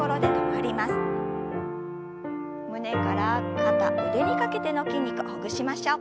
胸から肩腕にかけての筋肉ほぐしましょう。